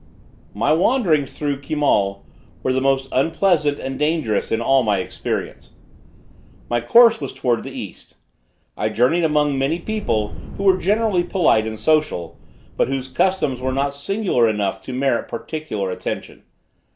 My wanderings through Kimal were the most unpleasant and dangerous in all my experience. My course was towards the east. I journeyed among many people, who were generally polite and social, but whose customs were not singular enough to merit particular attention.